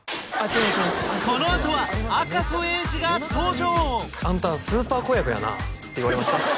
このあとは赤楚衛二が登場！